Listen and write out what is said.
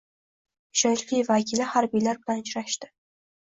Ishonchli vakil harbiylar bilan uchrashdi